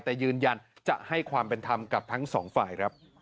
แต่ยืนยันจะให้ความเป็นธรรมกับทั้งสองฝ่ายครับ